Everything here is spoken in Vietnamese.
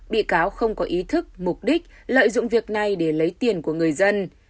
bị cáo không có ý thức mục đích lợi dụng việc này để lấy tiền của người dân